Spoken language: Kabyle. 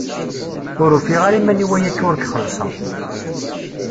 Ur ufiɣ ara iman-iw ayakka ur k-xellṣeɣ.